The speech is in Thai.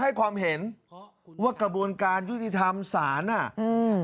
ให้ความเห็นว่ากระบวนการยุติธรรมศาลอ่ะอืม